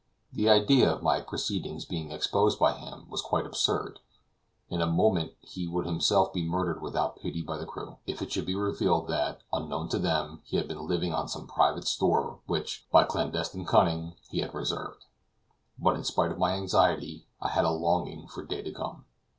The idea of my proceedings being exposed by him was quite absurd; in a moment he would himself be murdered without pity by the crew, if it should be revealed that, unknown to them, he had been living on some private store which, by clandestine cunning, he had reserved. But, in spite of my anxiety, I had a longing for day to come.